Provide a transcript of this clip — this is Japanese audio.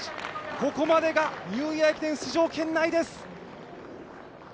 ここまでがニューイヤー駅伝出場圏内です。